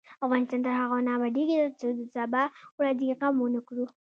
افغانستان تر هغو نه ابادیږي، ترڅو د سبا ورځې غم ونکړو.